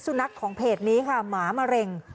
นักของเพจนี้ค่ะหมามะเร็ง